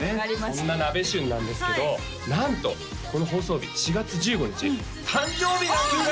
そんななべしゅんなんですけどなんとこの放送日４月１５日誕生日なんです！